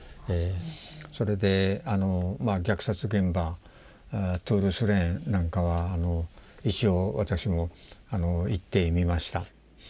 それで虐殺現場トゥール・スレンなんかは一応私も行ってみました。